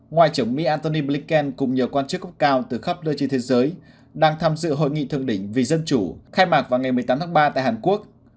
ngoại trưởng mỹ antony blinken cùng nhiều quan chức cấp cao từ khắp đời trên thế giới đang tham dự hội nghị thương đỉnh vì dân chủ khai mạc vào ngày một mươi tám tháng ba tại hàn quốc